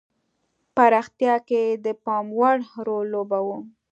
پراختیا کې د پاموړ رول لوباوه.